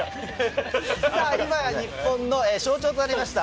日本の象徴となりました